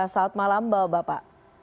salam malam bapak